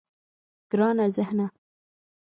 گرانه ذهنه.